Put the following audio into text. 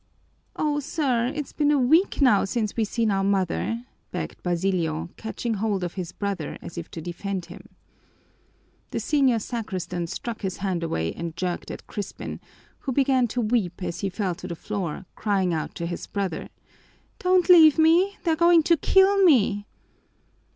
"Oh, sir, it's been a week now since we're seen our mother," begged Basilio, catching hold of his brother as if to defend him. The senior sacristan struck his hand away and jerked at Crispin, who began to weep as he fell to the floor, crying out to his brother, "Don't leave me, they're going to kill me!"